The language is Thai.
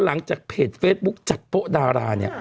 หลังจากเพจเฟสบุ๊กจัดโปรดารา